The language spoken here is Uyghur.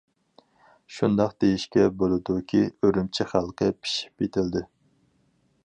شۇنداق دېيىشكە بولىدۇكى، ئۈرۈمچى خەلقى پىشىپ يېتىلدى.